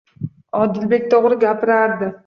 Odilbek to'g'ri gapirardi